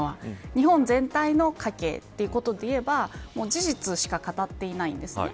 日本全体の家計ということでいえば事実しか語っていないんですね。